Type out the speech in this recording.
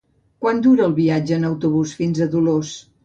Quant dura el viatge en autobús fins a Dolors?